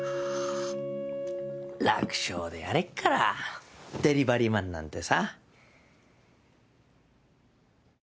楽勝でやれっからでりばりマンなんてさ。